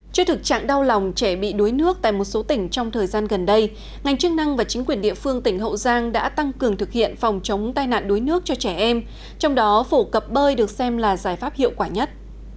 trước thực trạng đau lòng trẻ bị đuối nước tại một số tỉnh trong thời gian gần đây ngành chức năng và chính quyền địa phương tỉnh hậu giang đã tăng cường thực hiện phòng chống tai nạn đuối nước cho trẻ em trong đó phổ cập bơi được xem là giải pháp hiệu quả nhất